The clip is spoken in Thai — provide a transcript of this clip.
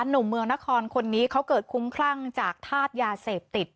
หนุ่มเมืองนครคนนี้เขาเกิดคุ้มคลั่งจากธาตุยาเสพติด